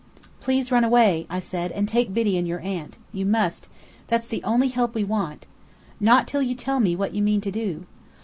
"Please run away," I said, "and take Biddy and your aunt. You must. That's the only help we want " "Not till you tell me what you mean to do."